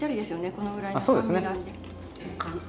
このぐらいの酸味があって。